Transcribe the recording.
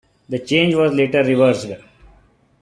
The change was later reversed.